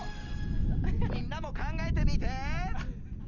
みんなも考えてみて！